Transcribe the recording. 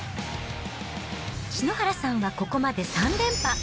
篠原さんはここまで３連覇。